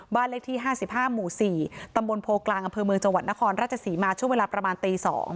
เลขที่๕๕หมู่๔ตำบลโพกลางอำเภอเมืองจังหวัดนครราชศรีมาช่วงเวลาประมาณตี๒